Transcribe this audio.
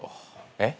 えっ？